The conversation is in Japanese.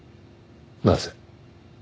なぜ？